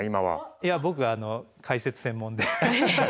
いや僕は解説専門で。